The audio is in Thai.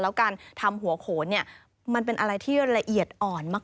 แล้วการทำหัวโขนเนี่ยมันเป็นอะไรที่ละเอียดอ่อนมาก